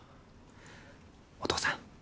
お父さん